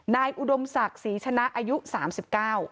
นายอุดมศักดิ์ศรีชนะอายุ๓๙ปี